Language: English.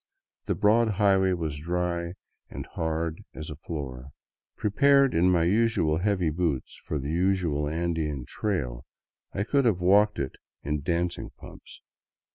The broad highway was dry and hard as a floor. Prepared in my heavy boots for the usual Andean trail, I could have walked it in dancing pumps.